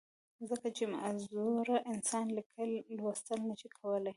ځکه چې معذوره انسان ليکل، لوستل نۀ شي کولی